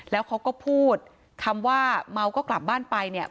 แล้วเขาก็พูดคำว่าเมาก็กลับบ้านไปเนี่ย